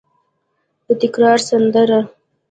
د تکرار سندره